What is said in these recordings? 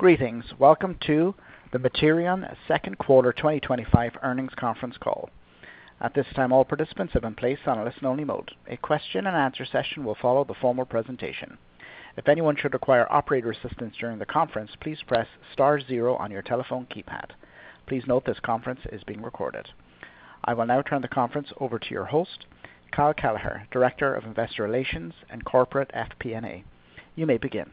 Greetings. Welcome to the Materion second quarter 2025 earnings conference call. At this time, all participants have been placed on a listen-only mode. A question-and-answer session will follow the formal presentation. If anyone should require operator assistance during the conference, please press star zero on your telephone keypad. Please note this conference is being recorded. I will now turn the conference over to your host, Kyle Kelleher, Director of Investor Relations and Corporate FP&A. You may begin.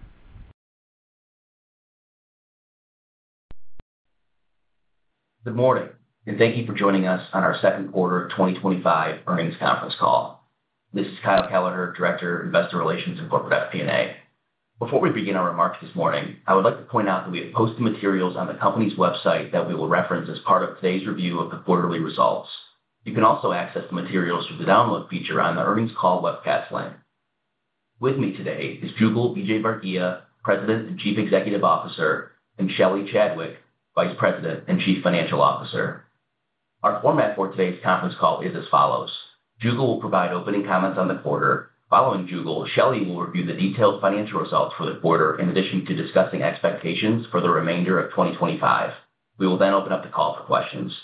Good morning, and thank you for joining us on our second quarter 2025 earnings conference call. This is Kyle Kelleher, Director of Investor Relations and Corporate FP&A. Before we begin our remarks this morning, I would like to point out that we have posted materials on the company's website that we will reference as part of today's review of the quarterly results. You can also access the materials through the download feature on the earnings call webcast link. With me today is Jugal Vijayvargiya, President and Chief Executive Officer, and Shelly Chadwick, Vice President and Chief Financial Officer. Our format for today's conference call is as follows: Jugal will provide opening comments on the quarter. Following Jugal, Shelly will review the detailed financial results for the quarter, in addition to discussing expectations for the remainder of 2025. We will then open up the call for questions.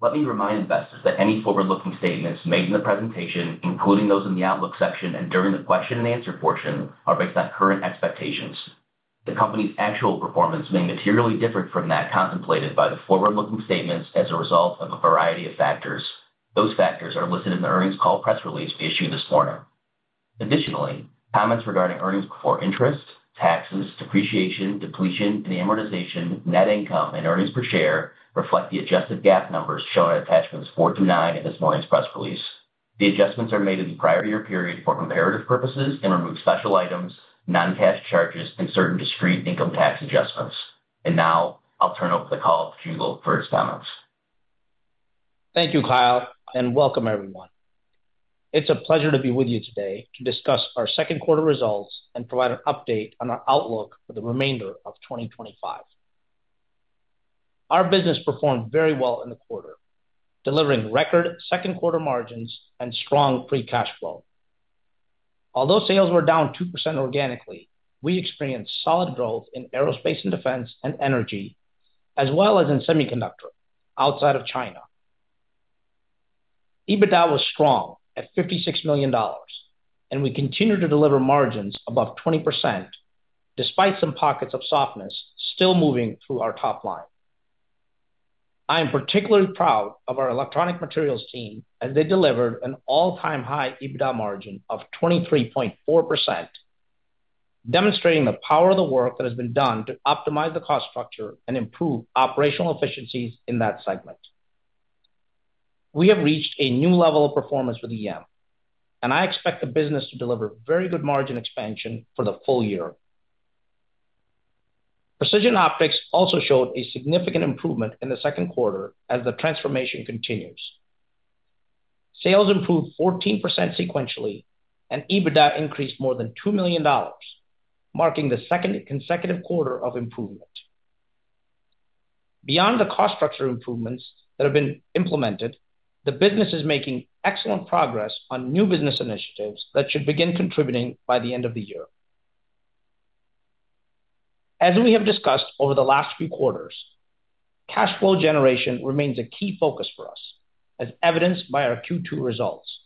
Let me remind investors that any forward-looking statements made in the presentation, including those in the Outlook section and during the question and answer portion, are based on current expectations. The company's actual performance may materially differ from that contemplated by the forward-looking statements as a result of a variety of factors. Those factors are listed in the earnings call press release issued this morning. Additionally, comments regarding earnings before interest, taxes, depreciation, depletion, and amortization, net income, and earnings per share reflect the adjusted GAAP numbers shown in attachments four through nine in this morning's press release. The adjustments are made in the prior year period for comparative purposes and remove special items, non-cash charges, and certain discrete income tax adjustments. Now, I'll turn over the call to Jugal for his comments. Thank you, Kyle, and welcome, everyone. It's a pleasure to be with you today to discuss our second quarter results and provide an update on our outlook for the remainder of 2025. Our business performed very well in the quarter, delivering record second-quarter margins and strong free cash flow. Although sales were down 2% organically, we experienced solid growth in aerospace and defense and energy, as well as in semiconductor outside of China. EBITDA was strong at $56 million, and we continue to deliver margins above 20% despite some pockets of softness still moving through our top line. I am particularly proud of our electronic materials team, as they delivered an all-time high EBITDA margin of 23.4%, demonstrating the power of the work that has been done to optimize the cost structure and improve operational efficiencies in that segment. We have reached a new level of performance for the year, and I expect the business to deliver very good margin expansion for the full year. Precision optics also showed a significant improvement in the second quarter as the transformation continues. Sales improved 14% sequentially, and EBITDA increased more than $2 million, marking the second consecutive quarter of improvement. Beyond the cost structure improvements that have been implemented, the business is making excellent progress on new business initiatives that should begin contributing by the end of the year. As we have discussed over the last few quarters, cash flow generation remains a key focus for us, as evidenced by our Q2 results.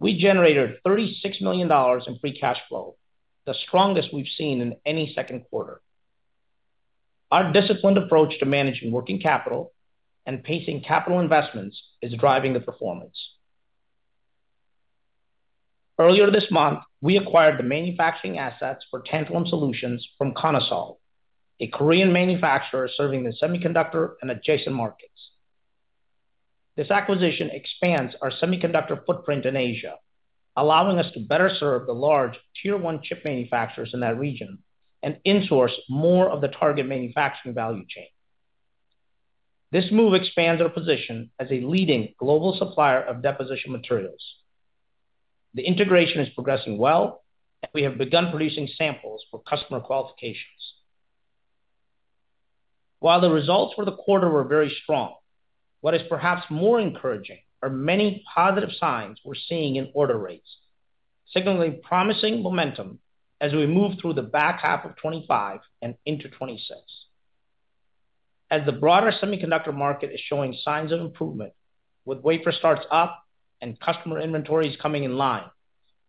We generated $36 million in free cash flow, the strongest we've seen in any second quarter. Our disciplined approach to managing working capital and pacing capital investments is driving the performance. Earlier this month, we acquired the manufacturing assets for Tantalum Solutions from Konasol, a Korean manufacturer serving the semiconductor and adjacent markets. This acquisition expands our semiconductor footprint in Asia, allowing us to better serve the large Tier 1 chip manufacturers in that region and insource more of the target manufacturing value chain. This move expands our position as a leading global supplier of deposition materials. The integration is progressing well, and we have begun producing samples for customer qualifications. While the results for the quarter were very strong, what is perhaps more encouraging are many positive signs we're seeing in order rates, signaling promising momentum as we move through the back half of 2025 and into 2026. As the broader semiconductor market is showing signs of improvement, with wafer starts up and customer inventories coming in line,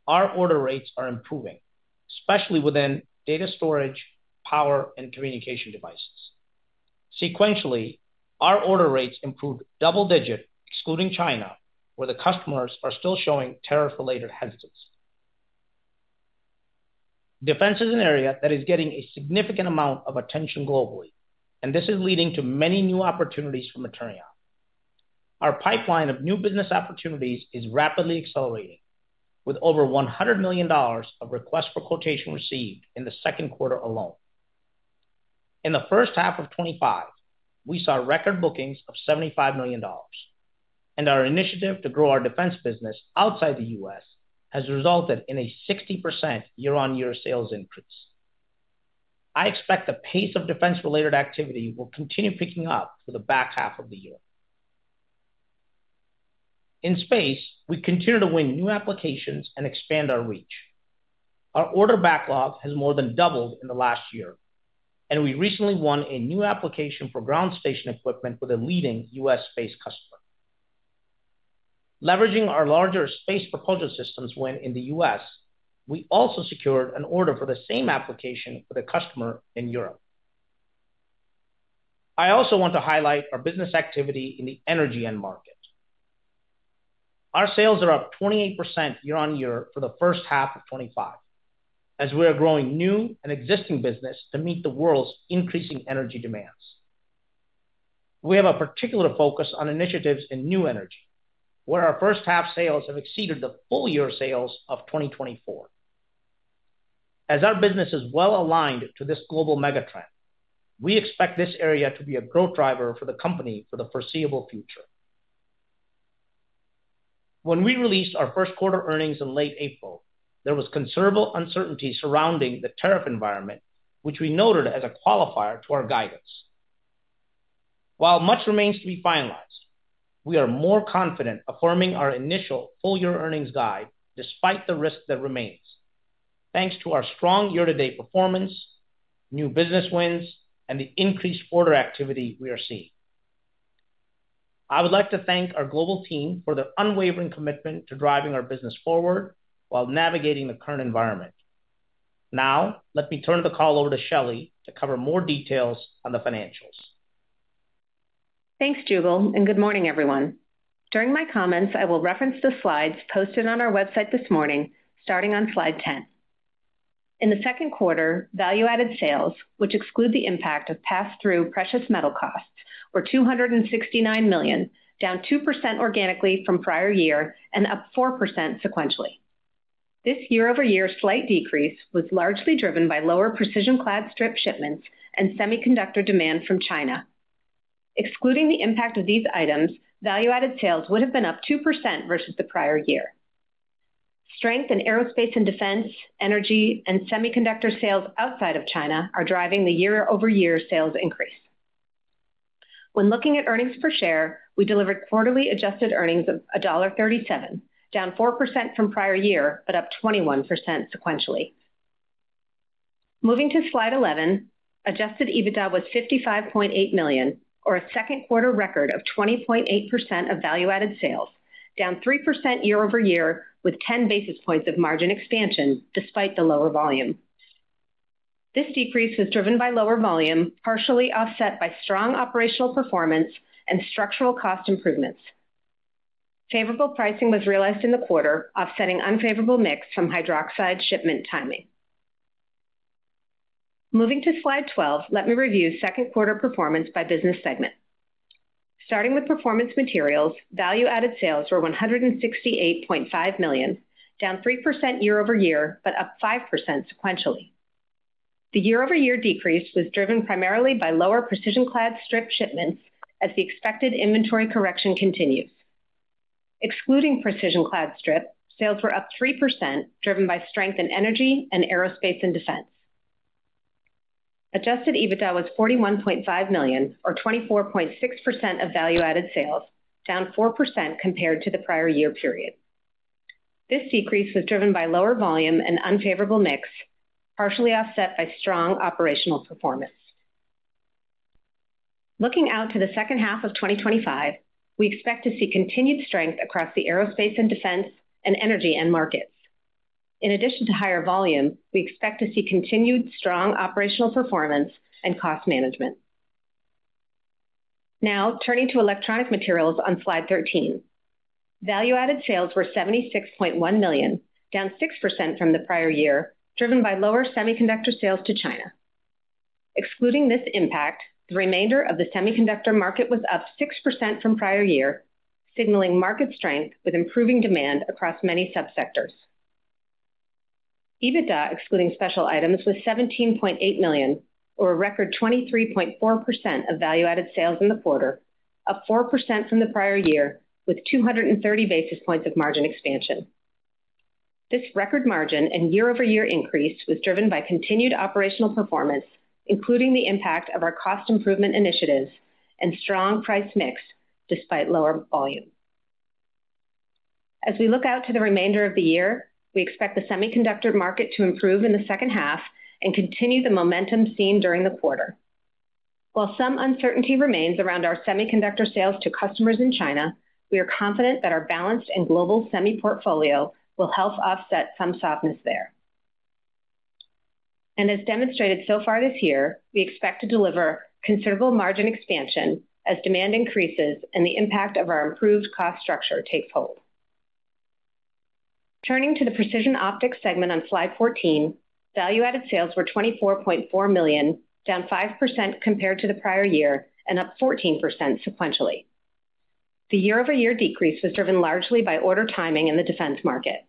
our order rates are improving, especially within data storage, power, and communication devices. Sequentially, our order rates improved double-digit, excluding China, where the customers are still showing tariff-related hesitancy. Defense is an area that is getting a significant amount of attention globally, and this is leading to many new opportunities for Materion. Our pipeline of new business opportunities is rapidly accelerating, with over $100 million of requests for quotation received in the second quarter alone. In the first half of 2025, we saw record bookings of $75 million, and our initiative to grow our defense business outside the U.S. has resulted in a 60% year-on-year sales increase. I expect the pace of defense-related activity will continue picking up for the back half of the year. In space, we continue to win new applications and expand our reach. Our order backlog has more than doubled in the last year, and we recently won a new application for ground station equipment with a leading U.S. space customer. Leveraging our larger space propulsion systems win in the U.S., we also secured an order for the same application with a customer in Europe. I also want to highlight our business activity in the energy end market. Our sales are up 28% year-on-year for the first half of 2025, as we are growing new and existing business to meet the world's increasing energy demands. We have a particular focus on initiatives in new energy, where our first half sales have exceeded the full year sales of 2024. As our business is well-aligned to this global megatrend, we expect this area to be a growth driver for the company for the foreseeable future. When we released our first quarter earnings in late April, there was considerable uncertainty surrounding the tariff environment, which we noted as a qualifier to our guidance. While much remains to be finalized, we are more confident affirming our initial full-year earnings guide despite the risk that remains, thanks to our strong year-to-date performance, new business wins, and the increased order activity we are seeing. I would like to thank our global team for their unwavering commitment to driving our business forward while navigating the current environment. Now, let me turn the call over to Shelly to cover more details on the financials. Thanks, Jugal, and good morning, everyone. During my comments, I will reference the slides posted on our website this morning, starting on slide 10. In the second quarter, value-added sales, which exclude the impact of pass-through precious metal costs, were $269 million, down 2% organically from prior year and up 4% sequentially. This year-over-year slight decrease was largely driven by lower precision clad strip shipments and semiconductor demand from China. Excluding the impact of these items, value-added sales would have been up 2% versus the prior year. Strength in aerospace and defense, energy, and semiconductor sales outside of China are driving the year-over-year sales increase. When looking at earnings per share, we delivered quarterly adjusted earnings of $1.37, down 4% from prior year but up 21% sequentially. Moving to slide 11, adjusted EBITDA was $55.8 million, or a second-quarter record of 20.8% of value-added sales, down 3% year-over-year with 10 basis points of margin expansion despite the lower volume. This decrease was driven by lower volume, partially offset by strong operational performance and structural cost improvements. Favorable pricing was realized in the quarter, offsetting unfavorable mix from hydroxide shipment timing. Moving to slide 12, let me review second quarter performance by business segment. Starting with performance materials, value-added sales were $168.5 million, down 3% year-over-year but up 5% sequentially. The year-over-year decrease was driven primarily by lower precision clad strip shipments as the expected inventory correction continues. Excluding precision clad strip, sales were up 3%, driven by strength in energy and aerospace and defense. Adjusted EBITDA was $41.5 million, or 24.6% of value-added sales, down 4% compared to the prior year period. This decrease was driven by lower volume and unfavorable mix, partially offset by strong operational performance. Looking out to the second half of 2025, we expect to see continued strength across the aerospace and defense and energy and markets. In addition to higher volume, we expect to see continued strong operational performance and cost management. Now, turning to electronic materials on slide 13, value-added sales were $76.1 million, down 6% from the prior year, driven by lower semiconductor sales to China. Excluding this impact, the remainder of the semiconductor market was up 6% from prior year, signaling market strength with improving demand across many subsectors. EBITDA, excluding special items, was $17.8 million, or a record 23.4% of value-added sales in the quarter, up 4% from the prior year with 230 basis points of margin expansion. This record margin and year-over-year increase was driven by continued operational performance, including the impact of our cost improvement initiatives and strong price mix despite lower volume. As we look out to the remainder of the year, we expect the semiconductor market to improve in the second half and continue the momentum seen during the quarter. While some uncertainty remains around our semiconductor sales to customers in China, we are confident that our balanced and global semi-portfolio will help offset some softness there. As demonstrated so far this year, we expect to deliver considerable margin expansion as demand increases and the impact of our improved cost structure takes hold. Turning to the precision optics segment on slide 14, value-added sales were $24.4 million, down 5% compared to the prior year and up 14% sequentially. The year-over-year decrease was driven largely by order timing in the defense market.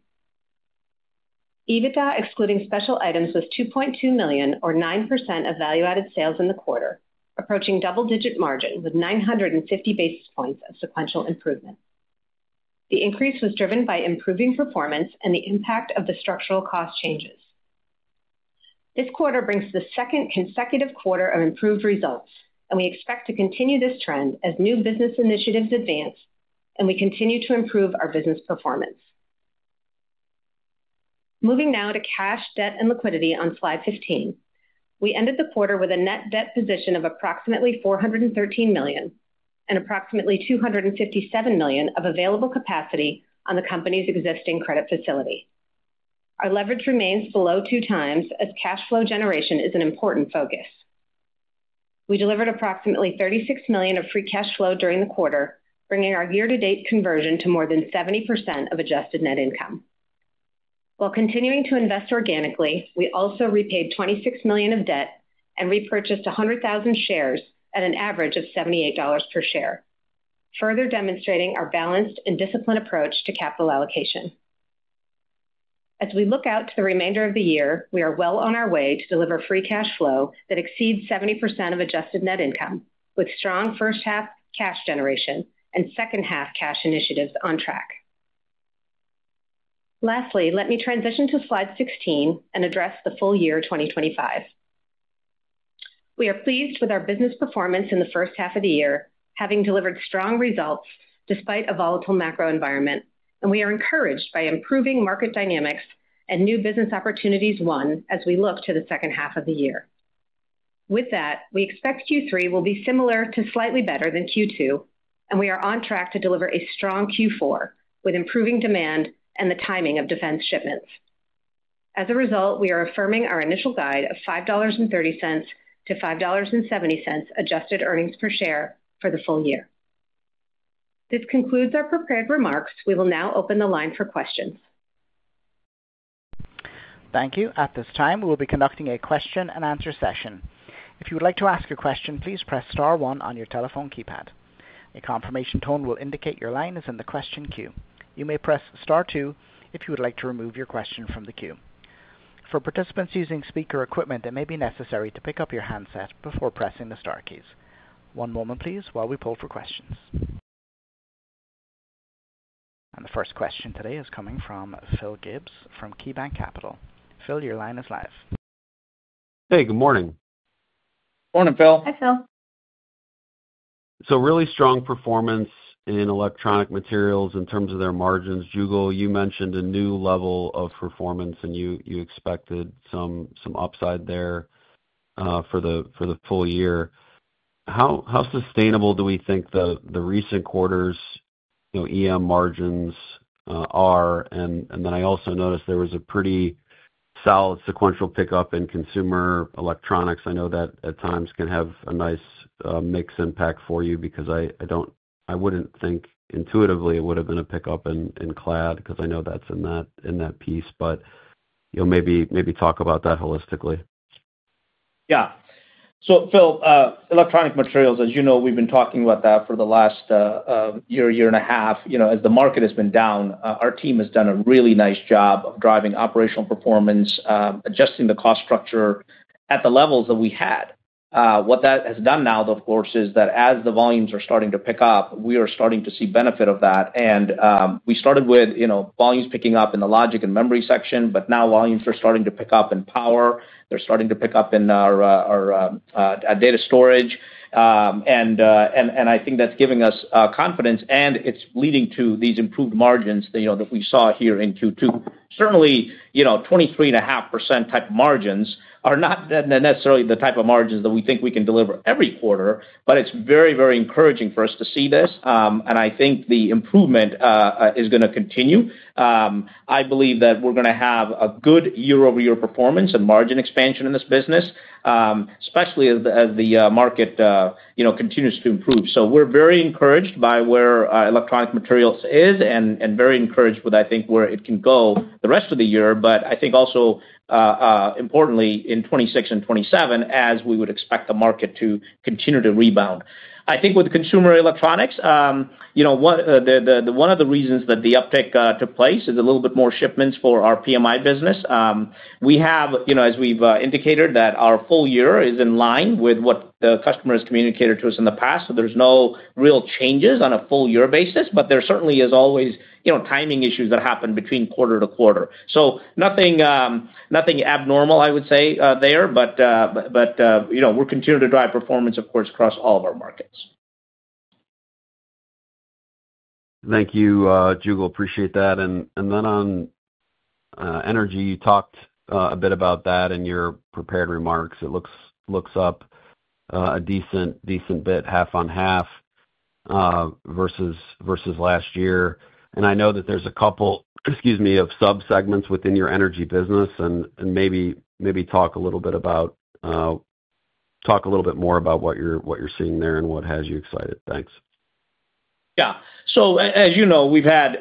EBITDA, excluding special items, was $2.2 million, or 9% of value-added sales in the quarter, approaching double-digit margin with 950 basis points of sequential improvement. The increase was driven by improving performance and the impact of the structural cost changes. This quarter brings the second consecutive quarter of improved results, and we expect to continue this trend as new business initiatives advance and we continue to improve our business performance. Moving now to cash, debt, and liquidity on slide 15, we ended the quarter with a net debt position of approximately $413 million and approximately $257 million of available capacity on the company's existing credit facility. Our leverage remains below two times, as cash flow generation is an important focus. We delivered approximately $36 million of free cash flow during the quarter, bringing our year-to-date conversion to more than 70% of adjusted net income. While continuing to invest organically, we also repaid $26 million of debt and repurchased 100,000 shares at an average of $78 per share, further demonstrating our balanced and disciplined approach to capital allocation. As we look out to the remainder of the year, we are well on our way to deliver free cash flow that exceeds 70% of adjusted net income, with strong first half cash generation and second half cash initiatives on track. Lastly, let me transition to slide 16 and address the full year 2025. We are pleased with our business performance in the first half of the year, having delivered strong results despite a volatile macro environment, and we are encouraged by improving market dynamics and new business opportunities won as we look to the second half of the year. With that, we expect Q3 will be similar to slightly better than Q2, and we are on track to deliver a strong Q4 with improving demand and the timing of defense shipments. As a result, we are affirming our initial guide of $5.30 to $5.70 adjusted EPS for the full year. This concludes our prepared remarks. We will now open the line for questions. Thank you. At this time, we will be conducting a question-and-answer session. If you would like to ask your question, please press star one on your telephone keypad. A confirmation tone will indicate your line is in the question queue. You may press star two if you would like to remove your question from the queue. For participants using speaker equipment, it may be necessary to pick up your handset before pressing the star keys. One moment, please, while we pull for questions. The first question today is coming from Phil Gibbs from KeyBanc Capital. Phil, your line is live. Hey, good morning. Morning, Phil. Hi, Phil. Really strong performance in electronic materials in terms of their margins. Jugal, you mentioned a new level of performance and you expected some upside there for the full year. How sustainable do we think the recent quarter's, you know, EM margins are? I also noticed there was a pretty solid sequential pickup in consumer electronics. I know that at times can have a nice mix impact for you because I don't, I wouldn't think intuitively it would have been a pickup in clad because I know that's in that piece. Maybe talk about that holistically. Yeah. So, Phil, electronic materials, as you know, we've been talking about that for the last year, year and a half. As the market has been down, our team has done a really nice job of driving operational performance, adjusting the cost structure at the levels that we had. What that has done now, though, of course, is that as the volumes are starting to pick up, we are starting to see benefit of that. We started with volumes picking up in the logic and memory section, but now volumes are starting to pick up in power. They're starting to pick up in our data storage. I think that's giving us confidence and it's leading to these improved margins that we saw here in Q2. Certainly, 23.5% type of margins are not necessarily the type of margins that we think we can deliver every quarter, but it's very, very encouraging for us to see this. I think the improvement is going to continue. I believe that we're going to have a good year-over-year performance and margin expansion in this business, especially as the market continues to improve. We're very encouraged by where electronic materials is and very encouraged with, I think, where it can go the rest of the year. I think also, importantly in 2026 and 2027, as we would expect the market to continue to rebound. I think with the consumer electronics, one of the reasons that the uptick took place is a little bit more shipments for our PMI business. We have, as we've indicated, that our full year is in line with what the customers communicated to us in the past. There's no real changes on a full-year basis, but there certainly is always timing issues that happen between quarter to quarter. Nothing abnormal, I would say, there. We're continuing to drive performance, of course, across all of our markets. Thank you, Jugal. Appreciate that. On energy, you talked a bit about that in your prepared remarks. It looks up a decent bit, half on half, versus last year. I know that there's a couple, excuse me, of subsegments within your energy business. Maybe talk a little bit more about what you're seeing there and what has you excited. Thanks. Yeah. As you know, we've had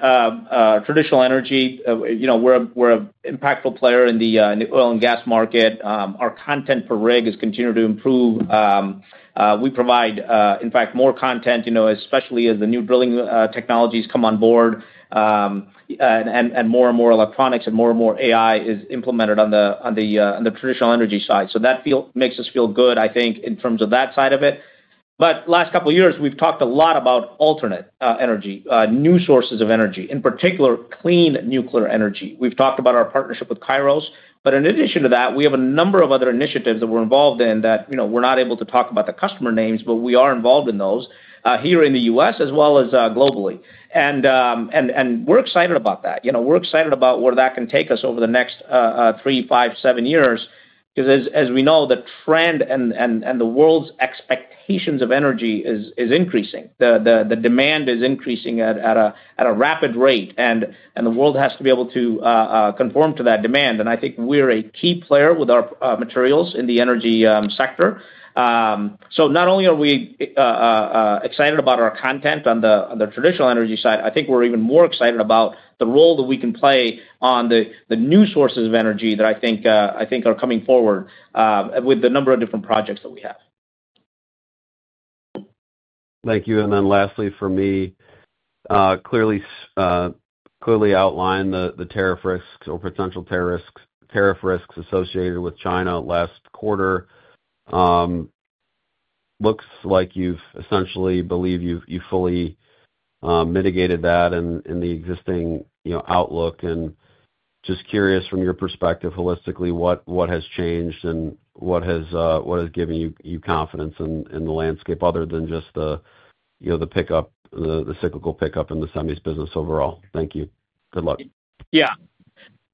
traditional energy. We're an impactful player in the oil and gas market. Our content per rig is continuing to improve. We provide, in fact, more content, especially as the new drilling technologies come on board, and more and more electronics and more and more AI is implemented on the traditional energy side. That makes us feel good, I think, in terms of that side of it. The last couple of years, we've talked a lot about alternate energy, new sources of energy, in particular, clean nuclear energy. We've talked about our partnership with Kairos. In addition to that, we have a number of other initiatives that we're involved in that we're not able to talk about the customer names, but we are involved in those here in the U.S. as well as globally, and we're excited about that. We're excited about where that can take us over the next three, five, seven years because as we know, the trend and the world's expectations of energy is increasing. The demand is increasing at a rapid rate, and the world has to be able to conform to that demand. I think we're a key player with our materials in the energy sector. Not only are we excited about our content on the traditional energy side, I think we're even more excited about the role that we can play on the new sources of energy that I think are coming forward with the number of different projects that we have. Thank you. Lastly, for me, clearly outline the tariff risks or potential tariff risks associated with China last quarter. Looks like you essentially believe you've fully mitigated that in the existing outlook. Just curious, from your perspective holistically, what has changed and what has given you confidence in the landscape other than just the pickup, the cyclical pickup in the semis business overall. Thank you. Good luck.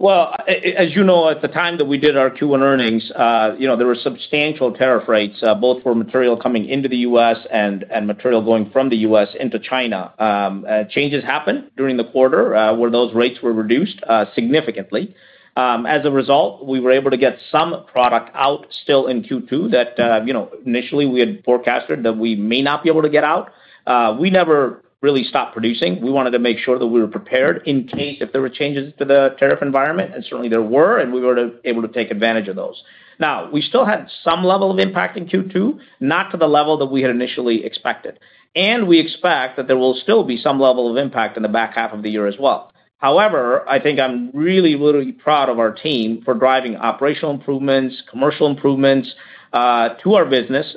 As you know, at the time that we did our Q1 earnings, there were substantial tariff rates, both for material coming into the U.S. and material going from the U.S. into China. Changes happened during the quarter, where those rates were reduced significantly. As a result, we were able to get some product out still in Q2 that, initially, we had forecasted that we may not be able to get out. We never really stopped producing. We wanted to make sure that we were prepared in case there were changes to the tariff environment, and certainly there were, and we were able to take advantage of those. We still had some level of impact in Q2, not to the level that we had initially expected. We expect that there will still be some level of impact in the back half of the year as well. However, I think I'm really, really proud of our team for driving operational improvements and commercial improvements to our business,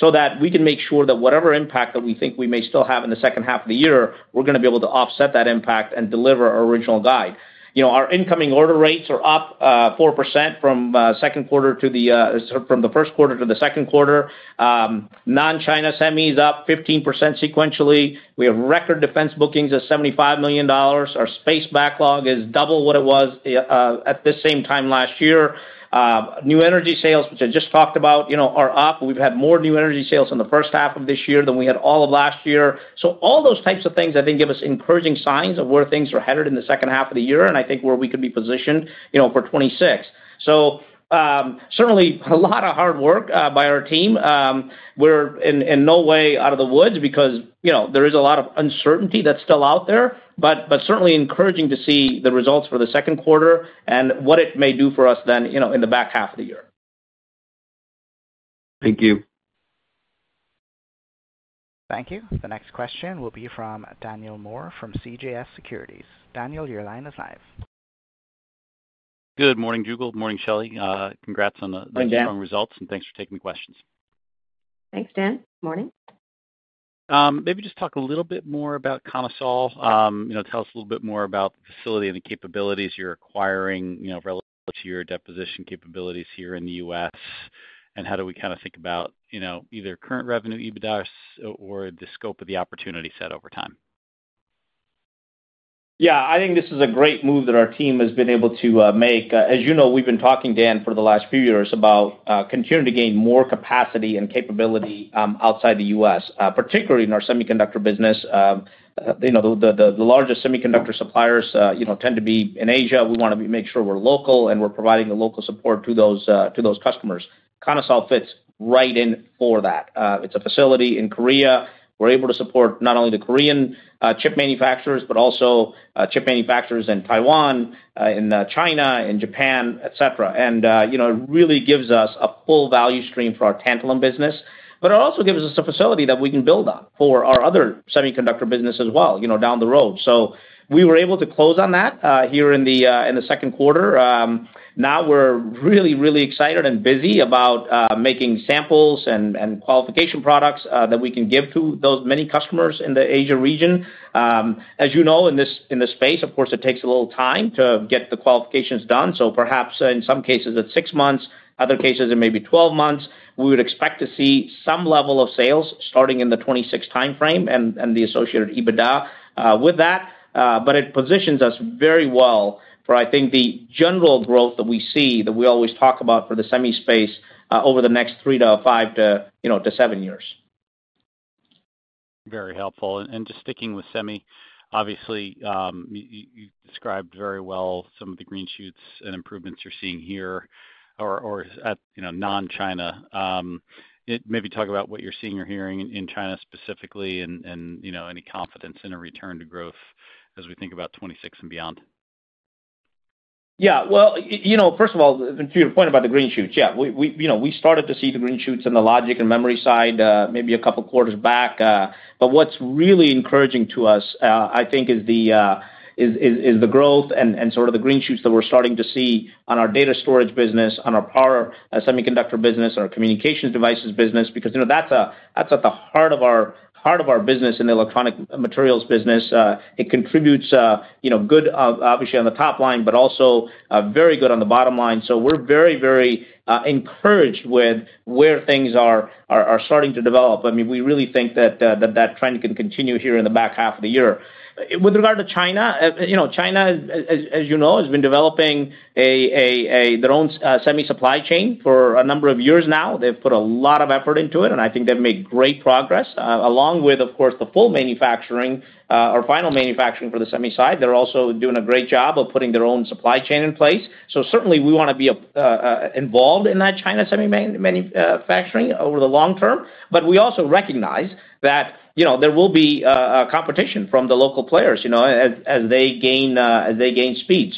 so that we can make sure that whatever impact we think we may still have in the second half of the year, we're going to be able to offset that impact and deliver our original guide. Our incoming order rates are up 4% from the first quarter to the second quarter. Non-China semis are up 15% sequentially. We have record defense bookings of $75 million. Our space backlog is double what it was at this same time last year. New energy sales, which I just talked about, are up. We've had more new energy sales in the first half of this year than we had all of last year. All those types of things, I think, give us encouraging signs of where things are headed in the second half of the year and where we could be positioned for 2026. Certainly a lot of hard work by our team. We're in no way out of the woods because there is a lot of uncertainty that's still out there. It is certainly encouraging to see the results for the second quarter and what it may do for us in the back half of the year. Thank you. Thank you. The next question will be from Daniel Moore from CJS Securities. Daniel, your line is live. Good morning, Jugal. Morning, Shelly. Congrats on the. Morning, Dan. Results, and thanks for taking the questions. Thanks, Dan. Morning. Maybe just talk a little bit more about Konasol. Tell us a little bit more about the facility and the capabilities you're acquiring, relative to your deposition capabilities here in the U.S. How do we kind of think about either current revenue, EBITDA, or the scope of the opportunity set over time? Yeah. I think this is a great move that our team has been able to make. As you know, we've been talking, Dan, for the last few years about continuing to gain more capacity and capability outside the U.S., particularly in our semiconductor business. You know, the largest semiconductor suppliers tend to be in Asia. We want to make sure we're local and we're providing the local support to those customers. Konasol fits right in for that. It's a facility in Korea. We're able to support not only the Korean chip manufacturers, but also chip manufacturers in Taiwan, China, Japan, etc. It really gives us a full value stream for our Tantalum business. It also gives us a facility that we can build on for our other semiconductor business as well, down the road. We were able to close on that here in the second quarter. Now we're really excited and busy about making samples and qualification products that we can give to those many customers in the Asia region. As you know, in this space, of course, it takes a little time to get the qualifications done. Perhaps, in some cases, it's six months. Other cases, it may be 12 months. We would expect to see some level of sales starting in the 2026 timeframe and the associated EBITDA with that. It positions us very well for, I think, the general growth that we see that we always talk about for the semi space over the next three to five to seven years. Very helpful. Just sticking with semi, obviously, you described very well some of the green shoots and improvements you're seeing here or at, you know, non-China. Maybe talk about what you're seeing or hearing in China specifically, and you know, any confidence in a return to growth as we think about 2026 and beyond. Yeah. First of all, to your point about the green shoots, we started to see the green shoots in the logic and memory side, maybe a couple of quarters back. What's really encouraging to us, I think, is the growth and sort of the green shoots that we're starting to see on our data storage business, on our power semiconductor business, and our communications devices business because that's at the heart of our business in the electronic materials business. It contributes, obviously, on the top line, but also very good on the bottom line. We're very, very encouraged with where things are starting to develop. I mean, we really think that trend can continue here in the back half of the year. With regard to China, as you know, China has been developing their own semi supply chain for a number of years now. They've put a lot of effort into it, and I think they've made great progress along with, of course, the full manufacturing or final manufacturing for the semi side. They're also doing a great job of putting their own supply chain in place. Certainly, we want to be involved in that China semi manufacturing over the long term. We also recognize that there will be competition from the local players as they gain speed.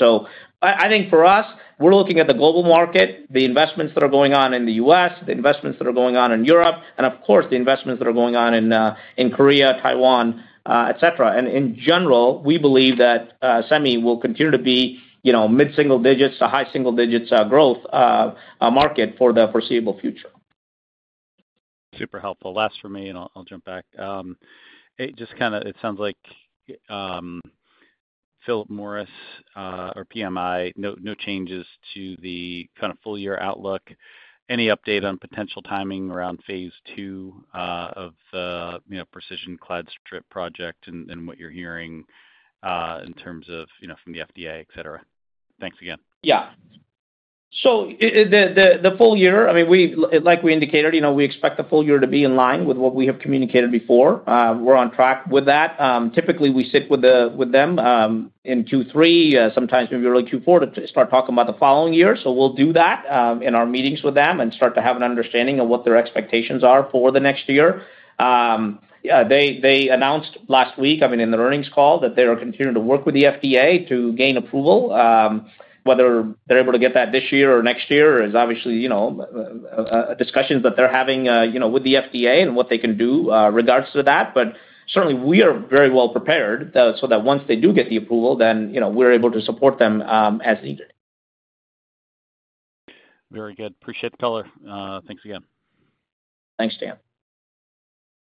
I think for us, we're looking at the global market, the investments that are going on in the U.S., the investments that are going on in Europe, and the investments that are going on in Korea, Taiwan, etc. In general, we believe that semi will continue to be mid-single digits, high single digits growth market for the foreseeable future. Super helpful. Last for me, and I'll jump back. It just kind of it sounds like, Phillip Morris or PMI, no changes to the kind of full-year outlook. Any update on potential timing around phase two of the, you know, precision clad strip project and what you're hearing in terms of, you know, from the FDA, etc.? Thanks again. Yeah. The full year, I mean, like we indicated, we expect the full year to be in line with what we have communicated before. We're on track with that. Typically, we sit with them in Q3, sometimes maybe early Q4 to start talking about the following year. We'll do that in our meetings with them and start to have an understanding of what their expectations are for the next year. Yeah, they announced last week, I mean, in the earnings call that they are continuing to work with the FDA to gain approval. Whether they're able to get that this year or next year is obviously, you know, discussions that they're having with the FDA and what they can do in regards to that. Certainly, we are very well prepared so that once they do get the approval, then we're able to support them as needed. Very good. Appreciate it, thanks again. Thanks, Dan.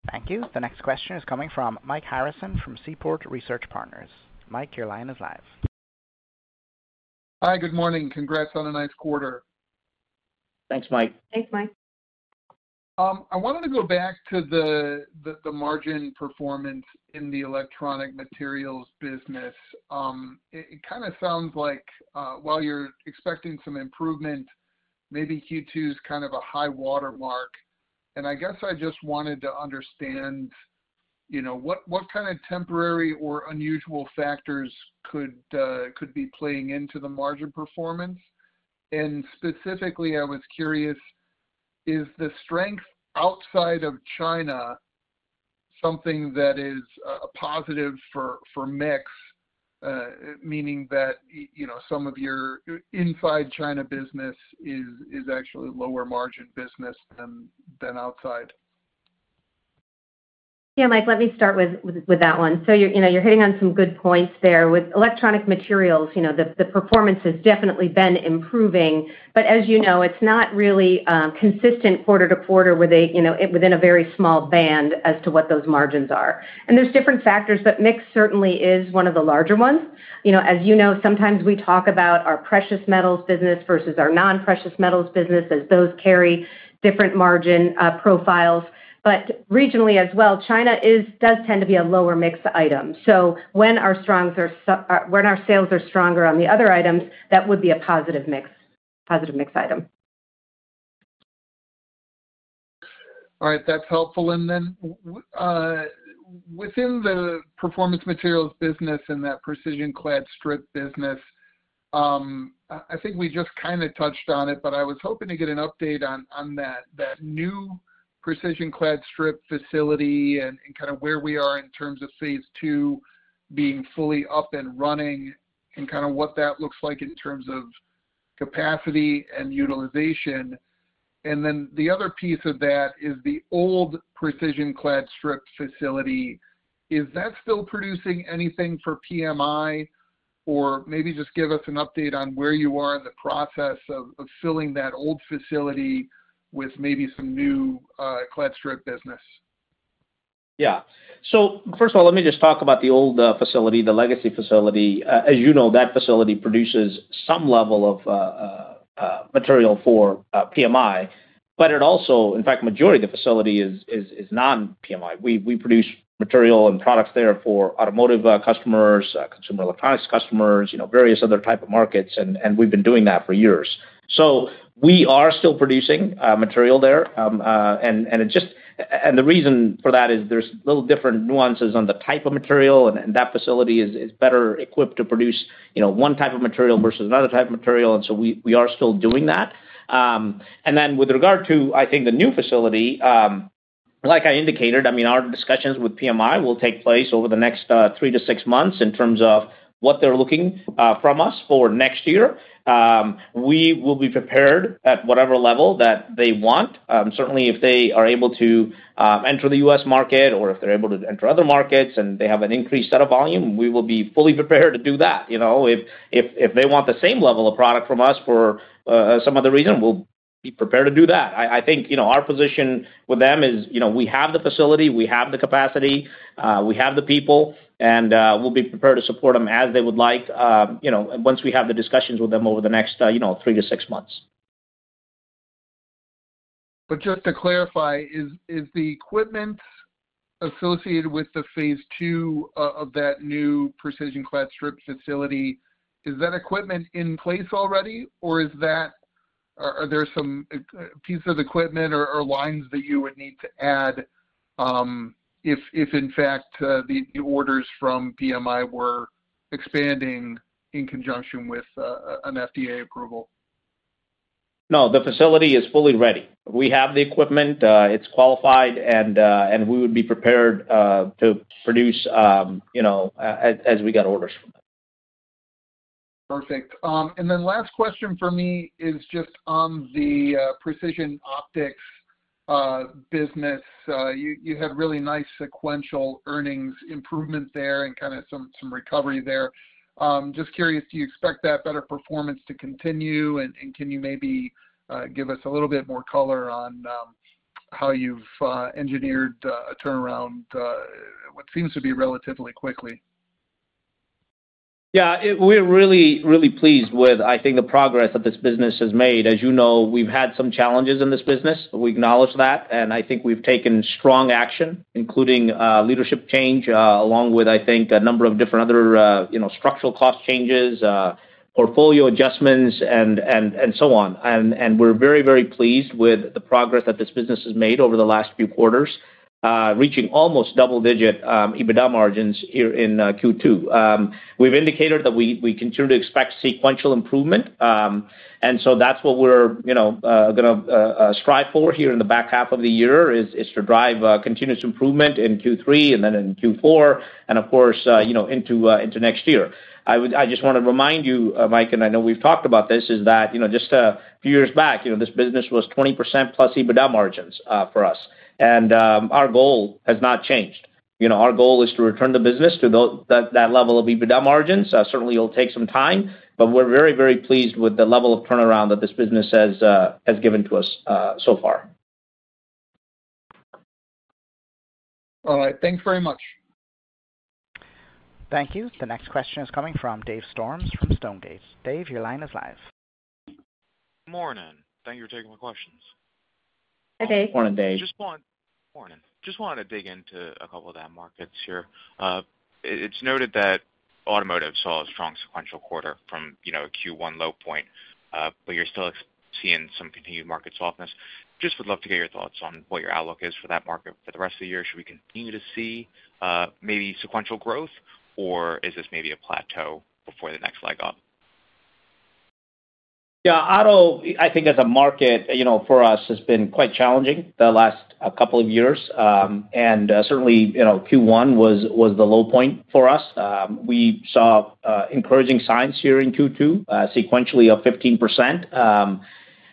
Thank you. The next question is coming from Mike Harrison from Seaport Research Partners. Mike, your line is live. Hi. Good morning. Congrats on a nice quarter. Thanks, Mike. Thanks, Mike. I wanted to go back to the margin performance in the electronic materials business. It kind of sounds like, while you're expecting some improvement, maybe Q2 is kind of a high watermark. I just wanted to understand what kind of temporary or unusual factors could be playing into the margin performance. Specifically, I was curious, is the strength outside of China something that is a positive for mix, meaning that some of your inside China business is actually a lower margin business than outside? Yeah, Mike, let me start with that one. You're hitting on some good points there. With electronic materials, the performance has definitely been improving. As you know, it's not really consistent quarter to quarter within a very small band as to what those margins are. There are different factors, but mix certainly is one of the larger ones. As you know, sometimes we talk about our precious metals business versus our non-precious metals business, as those carry different margin profiles. Regionally as well, China does tend to be a lower mix item. When our sales are stronger on the other items, that would be a positive mix item. All right. That's helpful. Within the performance materials business and that precision clad strip business, I think we just kind of touched on it. I was hoping to get an update on that new precision clad strip facility and where we are in terms of phase two being fully up and running, and what that looks like in terms of capacity and utilization. The other piece of that is the old precision clad strip facility. Is that still producing anything for PMI? Maybe just give us an update on where you are in the process of filling that old facility with maybe some new clad strip business. Yeah. First of all, let me just talk about the old facility, the legacy facility. As you know, that facility produces some level of material for PMI. In fact, the majority of the facility is non-PMI. We produce material and products there for automotive customers, consumer electronics customers, various other types of markets, and we've been doing that for years. We are still producing material there. The reason for that is there are little different nuances on the type of material, and that facility is better equipped to produce one type of material versus another type of material. We are still doing that. With regard to the new facility, like I indicated, our discussions with PMI will take place over the next three to six months in terms of what they're looking for from us for next year. We will be prepared at whatever level that they want. Certainly, if they are able to enter the U.S. market or if they're able to enter other markets and they have an increased set of volume, we will be fully prepared to do that. If they want the same level of product from us for some other reason, we'll be prepared to do that. Our position with them is we have the facility, we have the capacity, we have the people, and we'll be prepared to support them as they would like once we have the discussions with them over the next three to six months. Just to clarify, is the equipment associated with the phase two of that new precision clad strip facility in place already, or are there some pieces of equipment or lines that you would need to add if, in fact, the orders from PMI were expanding in conjunction with an FDA approval? No, the facility is fully ready. We have the equipment, it's qualified, and we would be prepared to produce as we got orders from them. Perfect. Last question for me is just on the precision optics business. You had really nice sequential earnings improvement there and kind of some recovery there. Just curious, do you expect that better performance to continue? Can you maybe give us a little bit more color on how you've engineered a turnaround, what seems to be relatively quickly? Yeah. We're really, really pleased with, I think, the progress that this business has made. As you know, we've had some challenges in this business. We acknowledge that. I think we've taken strong action, including leadership change, along with, I think, a number of different other structural cost changes, portfolio adjustments, and so on. We're very, very pleased with the progress that this business has made over the last few quarters, reaching almost double-digit EBITDA margins here in Q2. We've indicated that we continue to expect sequential improvement, and that's what we're, you know, going to strive for here in the back half of the year, to drive continuous improvement in Q3 and then in Q4 and, of course, into next year. I just want to remind you, Mike, and I know we've talked about this, that just a few years back, this business was 20% plus EBITDA margins for us. Our goal has not changed. Our goal is to return the business to that level of EBITDA margins. Certainly, it'll take some time, but we're very, very pleased with the level of turnaround that this business has given to us so far. All right. Thanks very much. Thank you. The next question is coming from Dave Storms from Stonegate. Dave, your line is live. Morning. Thank you for taking my questions. Hi, Dave. Morning, Dave. Just wanted to dig into a couple of the markets here. It's noted that automotive saw a strong sequential quarter from, you know, a Q1 low point, but you're still seeing some continued market softness. Just would love to get your thoughts on what your outlook is for that market for the rest of the year. Should we continue to see, maybe sequential growth, or is this maybe a plateau before the next leg up? Yeah. Auto, I think, as a market, you know, for us has been quite challenging the last couple of years. Certainly, you know, Q1 was the low point for us. We saw encouraging signs here in Q2, sequentially of 15%.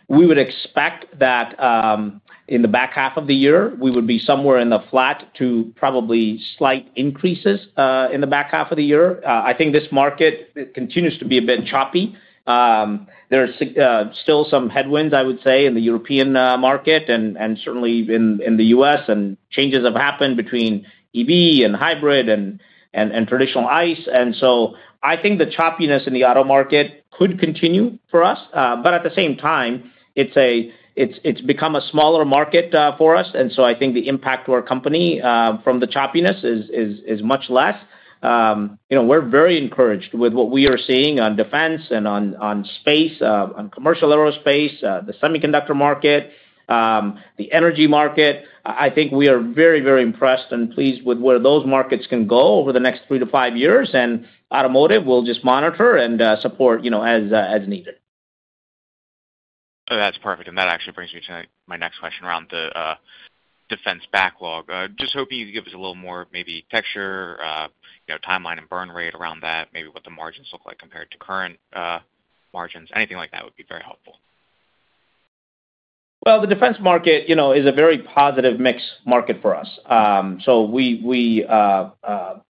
We would expect that, in the back half of the year, we would be somewhere in the flat to probably slight increases in the back half of the year. I think this market continues to be a bit choppy. There are still some headwinds, I would say, in the European market and certainly in the U.S. Changes have happened between EV and hybrid and traditional ICE. I think the choppiness in the auto market could continue for us. At the same time, it's become a smaller market for us. I think the impact to our company from the choppiness is much less. You know, we're very encouraged with what we are seeing on defense and on space, on commercial aerospace, the semiconductor market, the energy market. I think we are very, very impressed and pleased with where those markets can go over the next three to five years. Automotive, we'll just monitor and support, you know, as needed. Oh, that's perfect. That actually brings me to my next question around the defense backlog. Just hoping you could give us a little more, maybe texture, you know, timeline and burn rate around that, maybe what the margins look like compared to current margins. Anything like that would be very helpful. The defense market is a very positive mix market for us. We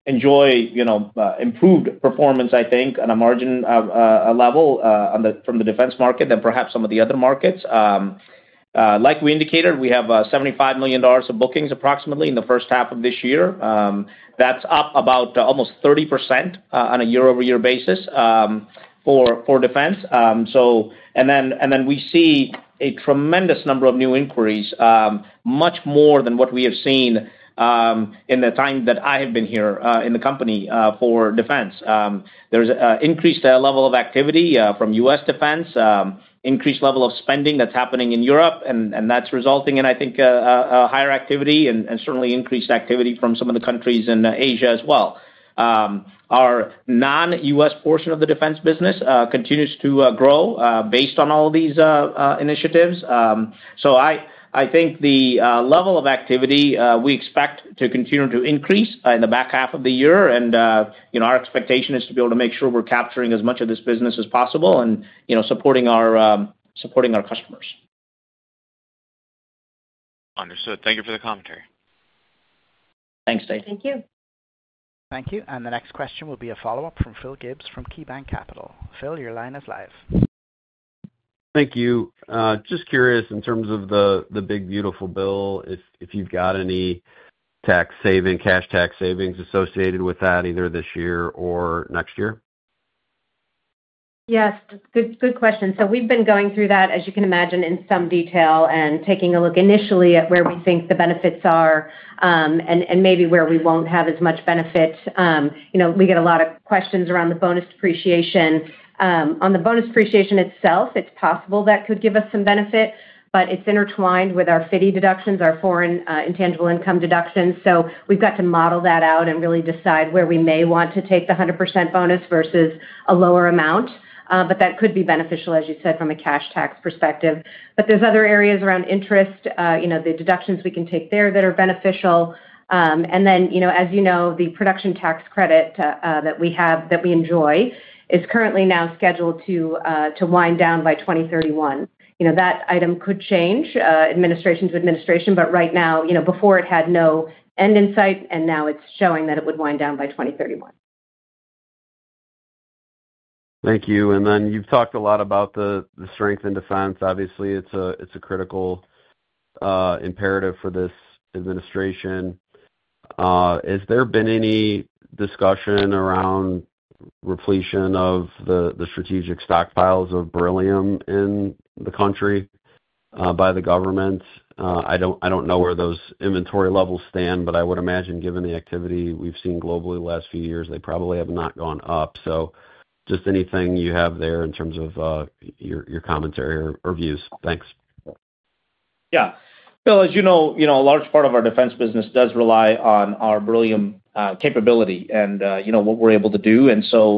enjoy improved performance, I think, on a margin level from the defense market than perhaps some of the other markets. Like we indicated, we have approximately $75 million of bookings in the first half of this year. That's up about almost 30% on a year-over-year basis for defense. We see a tremendous number of new inquiries, much more than what we have seen in the time that I have been here in the company for defense. There's an increased level of activity from U.S. defense, increased level of spending that's happening in Europe, and that's resulting in, I think, a higher activity and certainly increased activity from some of the countries in Asia as well. Our non-U.S. portion of the defense business continues to grow based on all of these initiatives. I think the level of activity, we expect to continue to increase in the back half of the year. Our expectation is to be able to make sure we're capturing as much of this business as possible and supporting our customers. Understood. Thank you for the commentary. Thanks, Dave. Thank you. Thank you. The next question will be a follow-up from Phil Gibbs from KeyBanc Capital. Phil, your line is live. Thank you. Just curious in terms of the Big Beautiful Bill, if you've got any cash tax savings associated with that either this year or next year? Yes. Good question. We've been going through that, as you can imagine, in some detail and taking a look initially at where we think the benefits are, and maybe where we won't have as much benefit. You know, we get a lot of questions around the bonus depreciation. On the bonus depreciation itself, it's possible that could give us some benefit, but it's intertwined with our FDII deductions, our foreign, intangible income deductions. We've got to model that out and really decide where we may want to take the 100% bonus versus a lower amount. That could be beneficial, as you said, from a cash tax perspective. There's other areas around interest, the deductions we can take there that are beneficial. As you know, the production tax credit that we enjoy is currently now scheduled to wind down by 2031. That item could change, administration to administration, but right now, before it had no end in sight, and now it's showing that it would wind down by 2031. Thank you. You've talked a lot about the strength in defense. Obviously, it's a critical imperative for this administration. Has there been any discussion around the repletion of the strategic stockpiles of beryllium in the country by the government? I don't know where those inventory levels stand, but I would imagine given the activity we've seen globally the last few years, they probably have not gone up. Just anything you have there in terms of your commentary or views. Thanks. Yeah. Phil, as you know, a large part of our defense business does rely on our beryllium capability and what we're able to do.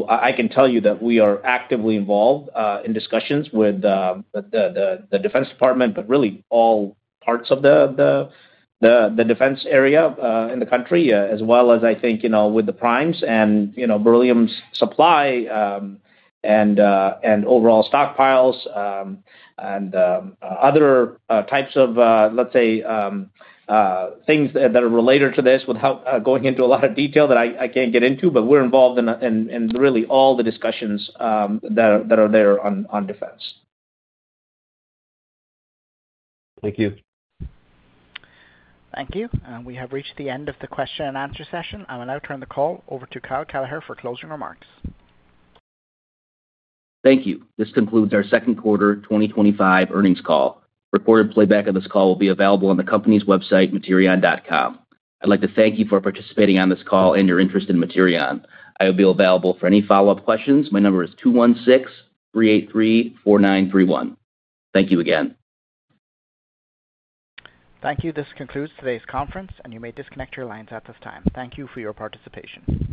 I can tell you that we are actively involved in discussions with the Defense Department, but really all parts of the defense area in the country, as well as, I think, with the primes and beryllium supply, and overall stockpiles, and other types of, let's say, things that are related to this without going into a lot of detail that I can't get into, but we're involved in really all the discussions that are there on defense. Thank you. Thank you. We have reached the end of the question-and-answer session. I will now turn the call over to Kyle Kelleher for closing remarks. Thank you. This concludes our second quarter 2025 earnings call. Recorded playback of this call will be available on the company's website, materion.com. I'd like to thank you for participating on this call and your interest in Materion. I will be available for any follow-up questions. My number is 216-383-4931. Thank you again. Thank you. This concludes today's conference, and you may disconnect your lines at this time. Thank you for your participation.